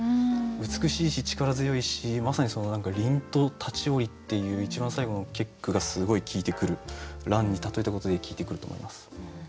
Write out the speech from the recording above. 美しいし力強いしまさに「凜と立ちおり」っていう一番最後の結句がすごい効いてくる蘭に例えたことで効いてくると思います。